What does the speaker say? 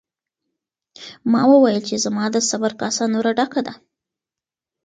ما وویل چې زما د صبر کاسه نوره ډکه ده.